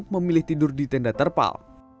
memilih tidur di tenda terpal